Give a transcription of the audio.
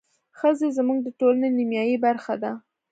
ښځې زموږ د ټولنې نيمايي برخه ده.